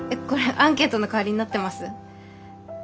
これアンケートの代わりになってます？